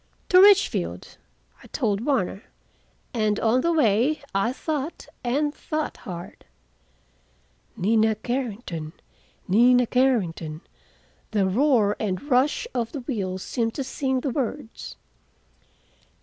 "To Richfield," I told Warner, and on the way I thought, and thought hard. "Nina Carrington, Nina Carrington," the roar and rush of the wheels seemed to sing the words.